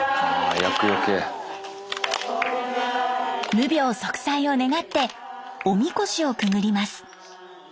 無病息災を願っておみこしをくぐります。